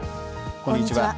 こんにちは。